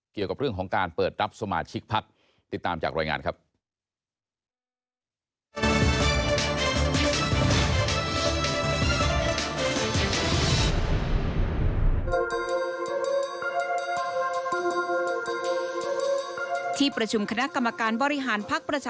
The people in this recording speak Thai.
เกี่ยวกับเรื่องของการเปิดรับสมาทชิคัท